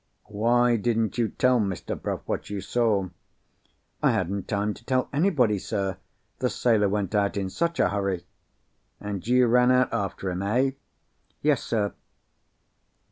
"Why didn't you tell Mr. Bruff what you saw?" "I hadn't time to tell anybody, sir, the sailor went out in such a hurry." "And you ran out after him—eh?" "Yes, sir."